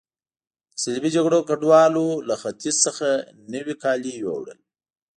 د صلیبي جګړو ګډوالو له ختیځ څخه نوي کالي یوړل.